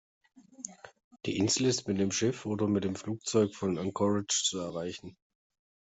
Die Insel ist mit dem Schiff oder mit dem Flugzeug von Anchorage zu erreichen.